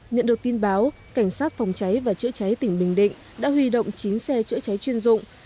nhận được tin báo cảnh sát phòng cháy và chữa cháy tỉnh bình định đã huy động chín xe chữa cháy chuyên dụng